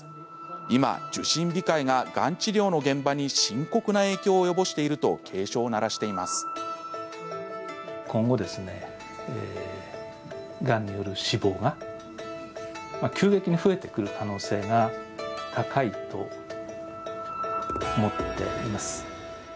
今、受診控えががん治療の現場に深刻な影響を及ぼしていると警鐘を鳴らしています。